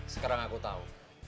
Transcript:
sekarang aku tau